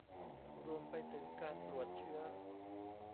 รวมไปถึงการตรวจเชื้อ